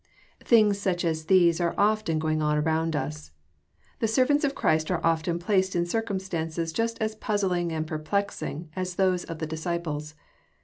Things such as these are often going on around us. The /^ servants of Christ are often placed in circumstances just an ^ puzzling and perplexing as those of the disciples.